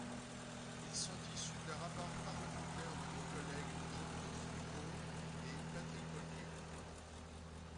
Ils sont issus d’un rapport parlementaire de nos collègues Jean-Claude Fruteau et Patrick Ollier.